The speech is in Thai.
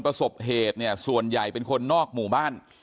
ประสบเหตุเนี่ยส่วนใหญ่เป็นคนนอกหมู่บ้าน